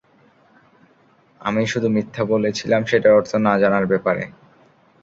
আমি শুধু মিথ্যা বলেছিলাম সেটার অর্থ না জানার ব্যাপারে।